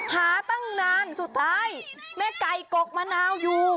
หาตั้งนานสุดท้ายแม่ไก่กกมะนาวอยู่